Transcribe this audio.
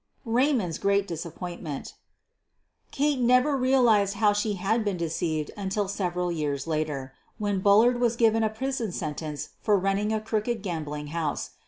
Raymond's great disappointment Kate never realized how she had been deceived until several years later, when Bullard was given a prison sentence for running a crooked gambling house.